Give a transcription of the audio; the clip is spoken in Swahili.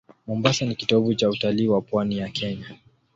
Mombasa ni kitovu cha utalii wa pwani ya Kenya.